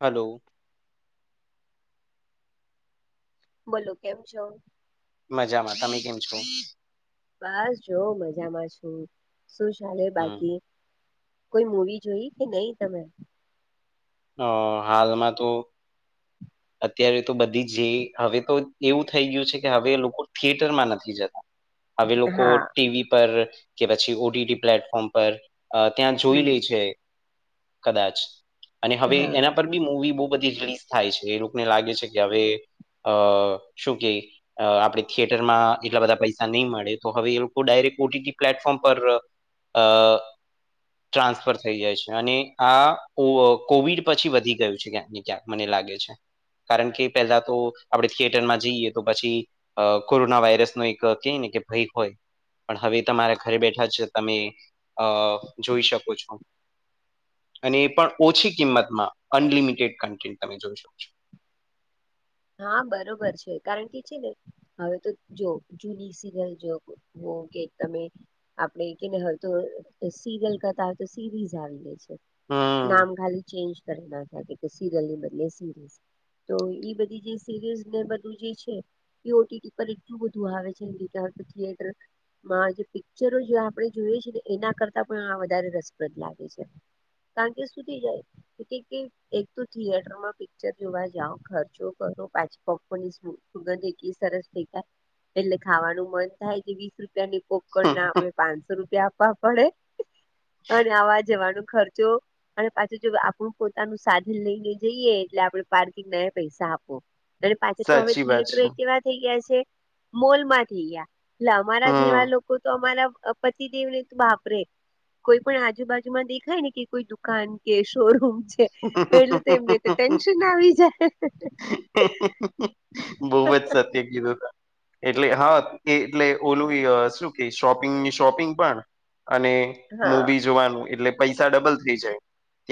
Hello. બોલો, કેમ છો? મજામાં. તમે કેમ છો? બસ, જોવ મજામાં છું. શું ચાલે હમ બાકી? કોઈ મુવી જોઈ કે નહીં તમે? અ હાલમાં તો હમ. અત્યારે તો બધી જે, હવે તો એવું થઈ ગયું છે કે હવે લોકો થિયેટરમાં નથી જતા. હવે લોકો ટીવી પર કે પછી ઓડીડી પ્લેટફોર્મ પર. અ ત્યાં જોઈ હમ લે છે, કદાચ. અને હવે હા એના પર બી મવી બહુ બધી રિલીઝ થાય છે. એ લોકોને લાગે છે કે હવે અ શું કે અ આપણે થિયેટરમાં એટલા બધા પૈસા નહીં મળે, તો હવે એ લોકો ડાયરેક્ટ ઓટીટી પ્લેટફોર્મ પર. અ ટ્રાન્સફર થઈ જાય છે, અને આ જુવો. કોવિડ પછી વધી ગયું છે, ક્યાંક ને ક્યાંક મને લાગે છે. કારણ કે પેલા તો આપણે થિયેટરમાં જઈએ, તો પછી અ કોરોના વાયરસ નો એક કય ને કે ભય હોય. પણ હવે તમારા ઘરે બેઠા જ તમે અ જોઈ શકો છો. અને એ પણ ઓછી કિંમતમાં અનલિમિટેડ કન્ટેન્ટ તમે જોઈ શકો છો. હા, બરોબર છે. કારણ કે છે ને હવે તો જો જૂની સિરિયલ જો, કે તમે? આપડે કે હવે તો સલતાઝ આવી છે. હા. નામ ખાલી ચેન્જ કરે નાખાય, સિરયલની બદલે સિરીઝ તો એ બધી. લું આવે છે. જે પિક્ચરો આપણે જોઈએ છે ને, એના કરતાં પણ વધારે રસપ્રદ લાગે છે. કારણ કે સુધી જાય, એક તો થિયેટરમાં પિક્ચર જોવા જાવ, ખર્ચો કરો પાછપપની સુગે સરસ લે [unintelligible] એટલે ખાવાનું મન થાય કે, વીસ રૂપિયાની પોકર ના આપડે. પાંચસો રૂપિયા આપવા પડે, અને આવા જવાનો ખર્ચો. અને પાછું જો આપણું પોતાનું સાધન લઈને જઈએ, એટલે આપડણે પાર્કિંગ ના પૈસા આપે. અને પાછા તો હવે સાચી વાત થિયેટર છે કેવા થઈ ગયા છે, મોલ માં થઈ ગયા. અમારા હમ જેવા લોકો તો અમારા પતિદેવને તો વાપરે. કોઈ પણ આજુબાજુમાં દેખાય ને, કે કોઈ દુકાન કે શોરૂમ. એટલે તો એમને તો ટેન્શન આવી જાય. બહુ જ સત્ય કીધું તું. એટલે હા, એ એટલે ઓલું શું કે, શોપિંગની શોપિંગ પણ અને હા મૂવી જોવાનું એટલે પૈસા ડબલ થઈ જાય,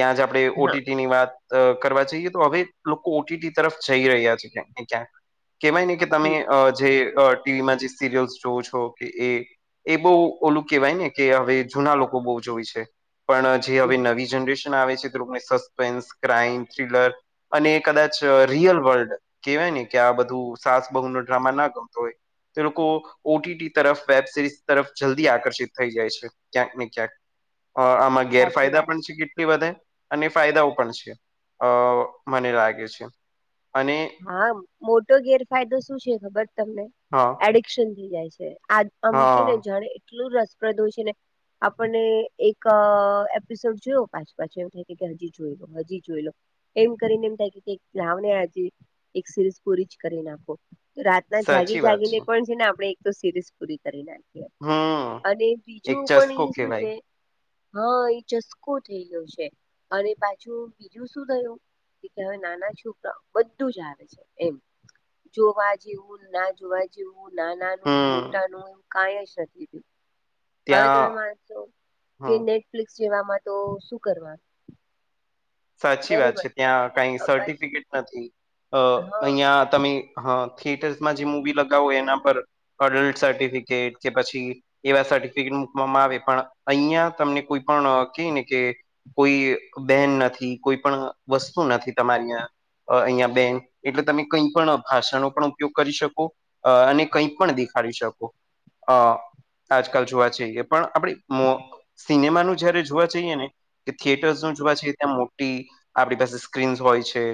ત્યાં જ આપડે. હા ની વાત કરવા જઈએ તો, હવે લોકો ઓટીટી તરફ જઈ રહ્યા છે, ક્યાંક ને ક્યાંક. કહેવાય ને કે, તમે હમ જે ટીવીમાં જે સિરિયલ્સ જોવ છો કે, એ એ બહુ ઓલું કહેવાય ને કે હવે જૂના લોકો બહુ જોય છે પણ જે હવે નવી જનરેશન આવે છે તે લોકોને સસ્પેન્સ ક્રાઈમ ચીલર અને કદાચ રિયલ વર્લ્ડ કેવાય ને કે આ બધું સાસ બહુ નો ડ્રામા ના ગમતો હોય તે લોકો ઓટીટી તરફ વેબ સિરીઝ તરફ જલ્દી આકર્ષિત થઈ જાય છે ક્યાંક ને ક્યાંક આમાં સાચી ગેરફાયદા વાત પણ છે કેટલી વધે ફાયદાઓ પણ છે અ મને લાગે છે અને હા મોટો ગેરફાયદો શું છે ખબર તમને હા [unintelligible] ડન થઈ જાય છે આ હા અમકીને જણે એટલું રસપ્રદ હોય છે ને આપણને એક એપિસોડ જોયો પાંચ પાંચ એવું થાય હજી જોઈ લો હજી જોઈ લો એમ કરીને એમ થાય કે કક લાવને આજે એક સિરીઝ પૂરી જ કરી નાખો તો રાતના જાગી સાચી વાત જાગીને પણ છે ને આપણે તો સિરીઝ પૂરી કરી નાખ હમ અને એક બીજું પણ ચસ્કો એ શું છે કેવાય હા એ ચસ્કો થઈ ગયો છે અરે પાછું બીજું શું થયું હવે નાના છોકરાઓ બધું જ આવે છે એમ જોવા જેવું ના જોવા જેું નાનાનું હમ મોટાનું એવું કાઈ જ નથી હવે તમે ત્યાં માન છો કે હમ નેટફ્લિક્સ જેવામાં તો શું કરવા સાચી વાત છે ત્યાં કઈ અપા સર્ટિફિકેટ નથી અ હા અહિયાં તમે થિયેટર્સમાં જે મુવી લગાવો એના પર અડલ્ટ સર્ટિફિકેટ કે પછી એવા સર્ટિફિકેટ મકવામાં આવે પણ અહિયાં તમને કોઈ પણ ક ને કે કોઈ બેન નથી કોઈ પણ વસ્તુ નથી તમારીં અહિયાયા બેન એટલે તમે કઈ પણ ભાષાનો પણ ઉપયોગ કરી શકો અ અને કઈક પણ દેખાડી શકો અ આજકાલ જોવા જઈએ પણ આપડી મો સિનેમાનું જયારે જોવા જઈએ ને કે થિયેટર્સ નું જોવા જઈએ ત્યાં મો તી આપણી પાસે સ્ક્રીન્સ હોય છે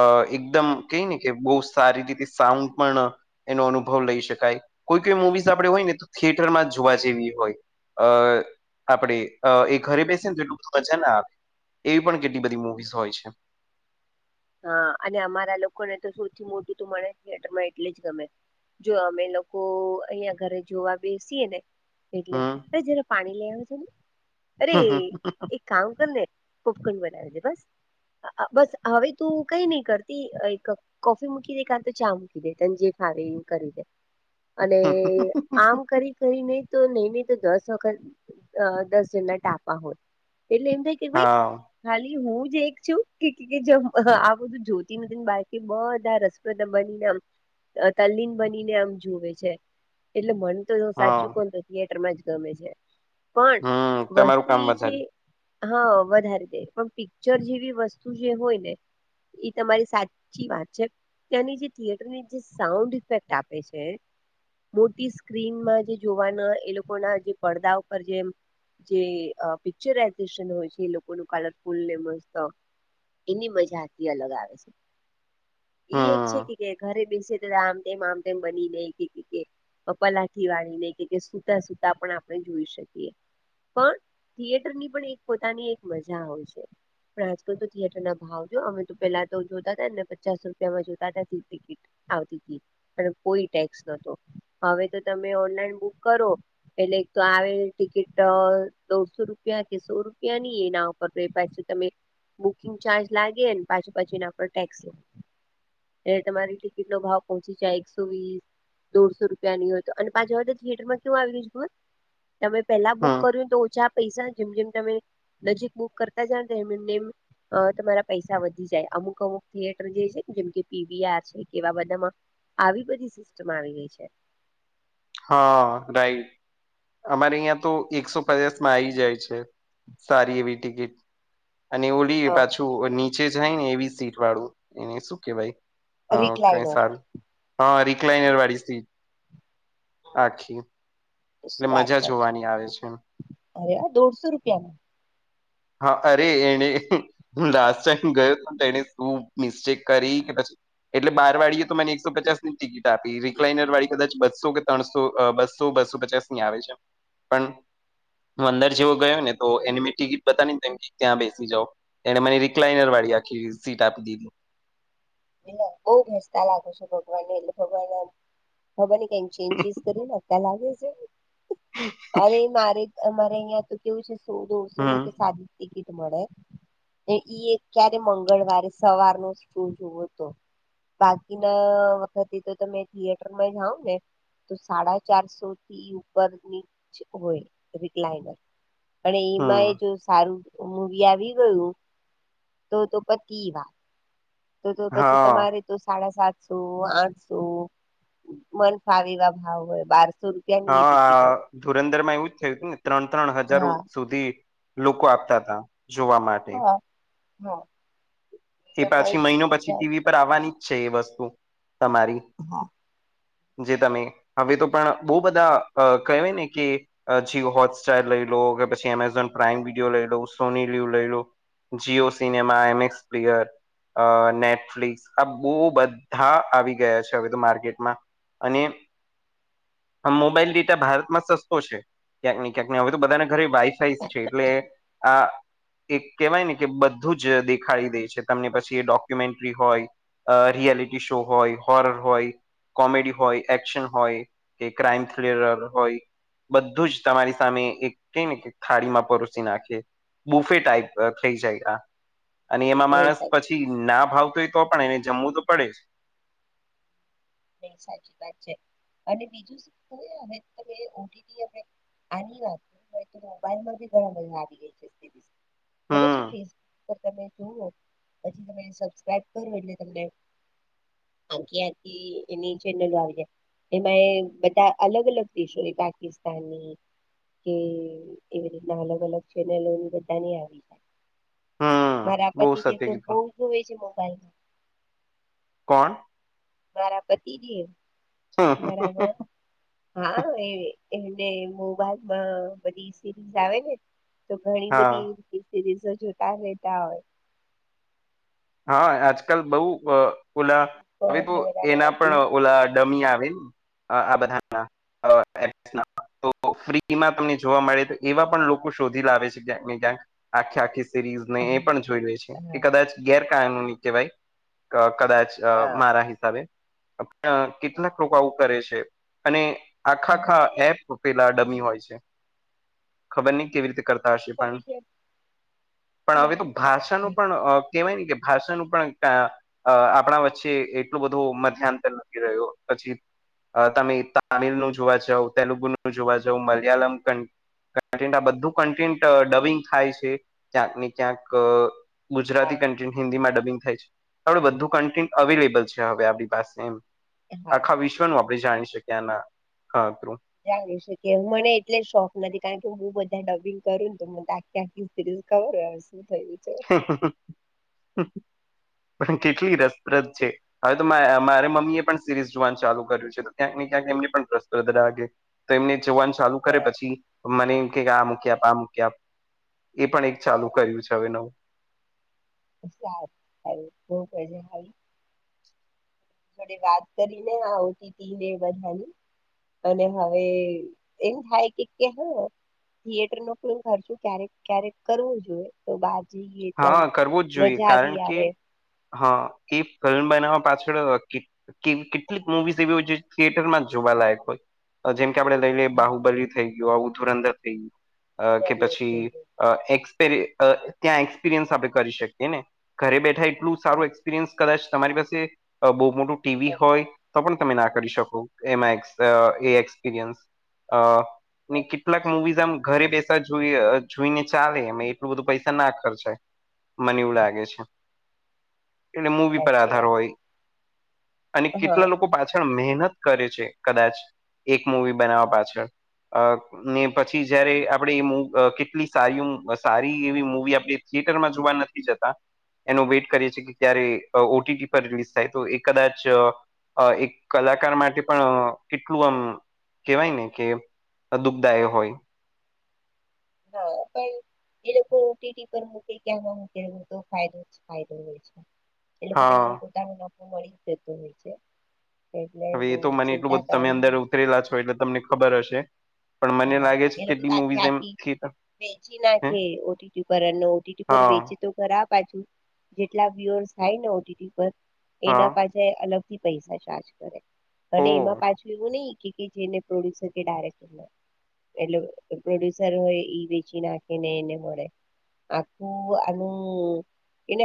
અ એકદમ કઈ ને કે બહુ સારી રીતે સાઉન્ડ પણ એનો અનુભવ લઈ શકાય કોઈ કોઈ મુવીઝ આપણે હોય ને તો થિયેટરમાં જ જોવા જેવી હોય અ આપડે એ ઘરે બેસે ને તો એટલું મજા ના આવે એવી પણ કે ટલી બધી મુવીઝ હોય છે હા અને અમારા લોકોને તો સૌથી મોટું તો મળને થિયેટર માં એટલે જ ગમે જો અમે લોકો અહિયાં ઘરે જોવા બેસીએ ને એટલે હમ અરે જરા પાણી લઈ આવે છે ને અરે કામ કર ને ખપખંડ બનાવ છે બસ બસ હવે તું કઈ ની કરતી એક કોફી મૂકી દે કારા તો ચા મૂકી દે તને જે ખાવે એ કરી દે અને આમ કરી ન તો નહી નહી તો દસ વખત દસ જેના ટાપવા હોત એટલે એમ થાય કે ભાઈ હા ખાલી હું જ એક છું કે જ આ બધું જોતી નથી ને બાળકી બધા રસપ્રદ બનીને તલ્લીન બનીને આમ જુવે છે એટલે મન તો હા સાચું કોણ તો થિયેટર માં જ ગમે છે. પણ હમ તમારું વસ્તુ કામ ઈ છે વધારે હા વધારે દે પણ પિક્ચર જેવી વસ્તુ જે હોય ને એ તમારી સાચી વાત છે. ત્યાંની જે થિયેટરની જે સાઉન્ડ ઇફેક્ટ આપે છે મોટી સ્ક્રીનમાં જે જોવાના એ લોકો ના જે પડદા ઉપર જેમ જે અ પિકચરાઈઝેશન હોય છે એ લોકો ન કલરફુલ ને મસ્ત એની મજાથી અલગ આવે છે એ એક છે હમ કે ઘરે બેસે આમ તેમ આમ તેમ બની નઈ કે પલાઠી વાળી નને કે, સુતા-સુતા પણ આપણે જોઈ શકીએ. પણ થિયેટર ની પણ એક પોતાની એક મજા હોય છે. પણ આજકાલ તો થિયેટર ના ભાવ જો અમે તો પેહલા તો જોતા હતા ને પચાસ રૂપિયામાં જોતા હતા ટિકિટ આવતી તી અને કોઈ ટેક્સ નહતો, હવે તો તમે ઓનલાઈન બુક કરો એટલે એક તો આવેલ ટિકિટ દોઢસો રૂપિયા કે સો રૂપિયા ની એનાર પાછી તમે બુકિંગ ચાર્જ લાગીને પાછુ પછી એના પર ટેક્સ દો એ તમારી ટિકિટ નો ભાવ પહોંચી જાય એકસો વીસ દોઢસો રૂપિયાની હતો અને પાછા હવ થિયેરમાં કેવું આવી રહ્યું છે ખબર તમે પેલા બુક હમ કર્યું તો ઓછા પૈસા જેમ જેમ તમે નજીક બુક કરતા જ તેમમ એમનેમ તમારા પૈસા વધી જાય અમુક અમુક થિયેટર જે છે ને જેમ કે પીવીઆર છે કેવા બધામાં આવી બધી સિસ્ટમ આવી ગઈ છે. હા રાઈટ અમારે અહીંયા તો એકસો પચાસ માં આવી જાય છે સારી એવી ટિકિટ અને ઓલી હ પાછું નીચે જાય ને એવી સીટ વાળું એને શું કેવાય હા કઇ રિકલાઇનર સારું હા રિકલાનર વાળી સીટ આખી એટલે શું વાત મજા કર છો જોવાની આવે છે. અરે દોઢસો રૂપિયા ન હા અરે એને હું લાસ્ટ ટાઈમ ગયો હતો એને શું મિસ્ટેક કરી કે પછી એટલે બાર વાળીએ તો મને એકસો પચાસ ની ટિકિટ આપી રીકલાઇનર વાળી કદાચ બસો કે ત્રણસો બસ સો બસો પચાસ ની આવે છે પણ હુ અંદર જેવો ગયો ને તો એની મેં ટિકિટ બતા ત્યાં બેસી જાવ એને મને રિકલાઈનર વાળી આખી સીટ આપી દીધી. એટ બહુ ભેસતા લાગુ છ ભગવાન ને એટલે ભગવાન હવે ને કઈ ચેન્જિસ કરી ને અત્યારે લાગી જ અરે મારે અમારે અહિયાં તો કેવું છે સો દોઢસો ની હમ તો સાદી ટિકિટ મળે ઈ ક્યારે મંગળવારે સવાર નો શો જોવો તો બાકીના વખતે તો તમે થિયેટર માં જાાવ ને તો સાડા ચારસો થી ઉપર ની જ હોય રીકલાઇનર અને એમાં હમ એ જો સારું મુવી આવી ગયું તો તો પતિ વાત. તો તો પછી હા તમારે તો સાડા સાતસો આઠસો મન ફાવીવા ભાવ હોય બારસો રૂપ હા ધુરંધરમાં એવું જ થયું હતું ને ત્રણ ત્રણ હજારો હા સુધી લોકો આપતા હતા જોવા માટે હા હા એ અમારે પાછી મહિનો જૂનું પછી જાય ટીવી પર આવવાની જ છે એ વસ્તુ તમારી હા જે તમે હવે તો પણ બહુ બધા કહે ને કે છી હોટસ્ટાર લઈ લો, કે પછી એમેઝોન પ્રાાઈમ વિડીયો લઈ લો સોની લીવ લઈ લો જીઓ સિનેમા, એમએક્સ પ્લેયર અ નેટફ્લિક્સ આ બહુ બધા આવી ગયા છે હવે તો માર્કેટમાં અને આ મોબાઈલ ડેટા ભારતમાં સસ્તો છે, ક્યાંક ને ક્યાંક હી હવે તો બધાને ઘરે વાઈફાઈ છે એટલે આ એક કેહેવાય ને કે બધું જ દેખાડી દે. છે, તમને પછી એ ડોક્યુમેન્ટ્રી હોય, રિયાલિટી શો હોય, હોરર હોય કોમેડી હોય, એક્શન હોય, કે ક્રાઈમ થ્રીલર હોય બધું જ તમારી સામે એક કે ને થાળીમાં પરોસી નાખે બુફે ટાઈપ થઈ જાય આ અને એમાં નહી માણસ સાહેબ પછી ના ભાવતો હોય તો પણ એને જમવું તો પડે જ સાચી વાત છે અને બીજું શું હવે [unintelligible] હવે અને વા મોબાઈલમાં બી ઘણા મજા આવી ગયા છે. ખબર છે હમ ખીસ પર તમે જો હો પછ સબબ કરો એટલે તનેખ આખીયા થી. એની ચેનલો આવીય એમાં એ બધા અલગ અલગ દેશો છે પાકિસ્તાનની કે એવી રીતના અલગ અલગ ચેનલો બધાની આવી જાય. હમ મારા બહુ સત્ય પતિદેવ તો બહુ કીધું જુવે છે મોબાઈલમાં. કોણ મારા પતિ દેવ મારા વર હા એ એને મોબાઈલમાં બધી સિરીઝ આવે ને. તો ઘણી હા બધી સિરીઝો જોતા રહેેતા હોય. હા આજકાલ બઉુ ઓલા બપોર હવે તો ને બધામાં એના પણ આવતી હોય ને. ઓલા. દમી આવેલ આ બધાના અ તો ફ્રીમાં તમને જોવા મળે તો એવા પણ લોકો શોધી લાવે છે ક્યાંક ને ક્યાંક આખી આખી. સઝને એ પણ જોઈ લે છે કે કદાચ ગેરકાયનૂની કહેવાય. કદાચ હા હા મારા હિસાબે પણ કેટલાક લોકો આવું કરે છે. અને ત્યારે આખાખા એપ પેલા ડમી હોય છે ખબર નહ કેવી રીતે કરતા. કરતા હશે પણ ભવિષ્ય એ પણ હવે તો મને ખબર છે. ભાષાનું પણ કહેવાય ને કે ભાષા નનું પણ અ આપણા વચ્ચે એટલું બધું મધ્યાંતર નથી રહ્યો પછી. તમે તામિલ નું જોવા જાવ તેલુગુ નું જોવા જં મલયાલમ ક ક આ બધું કન્ટેન્ટ ડવિંગ થાય છે ક્યાંક ને ક્યાંક ગુજરાતી હા કેમ કે હિન્દી આ દબી થાય છે આવુ કઠીન અવેલેબલ છે હવે આપ પાસે એમ હા. આખા વિશ્વમાં ન આપ જાણી શકી આના. શકી મને એટલે શોખ નથી કારણ કે હું બધા ડબિંગ કરું ને તો. તે ખબર હોય હવે શું થયું છે. પણ કેટલી રસપ્રદ છે. હવે તો મારા મમ્મી એ પણ સિરીઝ જોવાનું ચાલુ કર્યું છે તો ક્યાંક ને ક્યાંક એમને પણ્રષાગે તો એમને જોવાન ચાલુ કરે હા પછી. મને એમ કે આ મૂક આપ આ મૂકી્યા આપ એ પણ એક ચાલુ કર્યું છે હવે નવું. જ હ [inaudible] [unintelligible] આપડે વાત કરી ને આવતી હતી ને બધાની. અને હવે એમ થાય કે કે. થિયેટર નો ફ્લ્મિ ખર્ચો ક્યારેક ક્યારેક કરવું જોઈએ તો બહાર જઈએ તો આમ હા કરવું જ જોઈએ મજા કારણ બી કે આવે. હા એ ફિલ્મ બનાવવા પાછળ. કે કેટલીક મુવીઝ એવી હોય થિયેટર માં જ જોવાલાયક હોય. જેમ કે આપણે લઈ લઈએ બાહુબલી થઈ ગયો આવું ધુરંધર થઈ ગયું કે થઈ પછી. એસપ ત્યાં એક્સપિરિયન્સ આપણે કરી શકીએ ને ઘરે બેઠા. એલું સારું એક્સપિરિયન્સ કદાચ તમારી પાસે. બહુ મોટું ટીવી ગયું હોય તો પણ તમે ના કરી શકો એમાં એક્સપિરિયન્સ. હ ને કેટલાક મુવીઝ આમ ઘરે બેસા જોઈ જોઈને ચાલે અ એટલું બધું પૈસા ના ખર્ચાય. મને એવું લાગે છે. એટલે મૂવી પર સાચી આધાર વાત હોય છે અને હા કેટલા લોકો પાછા. મહેનત કરે છે, કદાચ એક મૂવી બનાવવા પાછળ. અ ને પછી જયારે આપણેે એ કેટલી સારી સારી એવી મૂવી આપડે.. થિયેટર માં જોવા નથી જતા. એનો વેઇટ કરીએ છીએ કે ક્યારે ઓટીટી પર રિલીઝ થાય તો એ કદાચ. અ એક કલાકાર માટે પણ કેટલું આમ. કેવાય ને કે દુઃખ દાયક હોય હા પણ એ લોકો ઓટીટી પર મૂકે કે મૂકે એ બધ ફાયદો ફાયદો હોય છે. એટલે પણ હા એમનું પોતાનું નફો મળી જતું હોય છે. એટલે બહુ ચિંતા કરવી કરલા છો એટલે તમને ખબર હશે પણ મને હા, લાગે છે, એ લોકો તો કેટલી આખી મુવીઝ એમ આખી થિ વેચી નાખે ઓ ટી‌ ટી પર એ ઓ ટી ટી પર હા વેચી પાછુ જેટલાય દિવસ થાયને ઓ ટી ટી પર હા એના પાછ અલગથી પૈસા ચાર્જ કરે અને ઓ એમાં પાછું એવું નહી કે જેને પ્રોડ્યુસર કે ડાયરેક્ટર એટલે પ્રોડ્યુસર હોય ઈ વેચી નાખે ને એને મળે આખું આનું એને